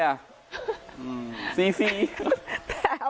แต่เอาเป็นว่า